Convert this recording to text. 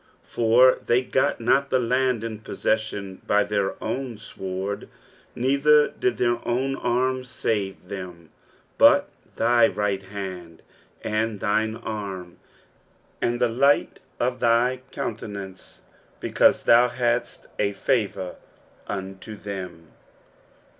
3 For they got not the land in possession by their own sword, neither did their own arm save them : but thy right hand, and thine arm, and the light of t^y countenance, because thou hadst a favour unto them.